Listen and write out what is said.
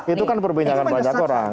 itu kan perbincangan banyak orang